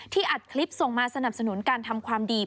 อัดคลิปส่งมาสนับสนุนการทำความดี